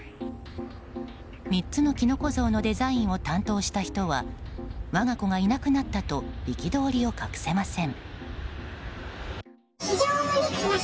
３つのキノコ像のデザインを担当した人は我が子がいなくなったと憤りを隠せません。